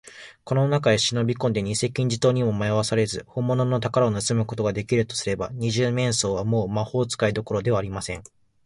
この中へしのびこんで、にせ黄金塔にもまよわされず、ほんものの宝物をぬすむことができるとすれば、二十面相は、もう魔法使いどころではありません。